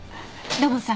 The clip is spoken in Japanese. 土門さん。